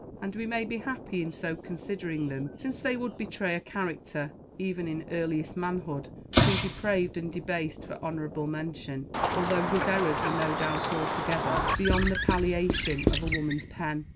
And we may be happy in so considering them, since they would betray a character, even in earliest manhood, too depraved and debased for honorable mention, although his errors were no doubt altogether beyond the palliation of a woman's pen.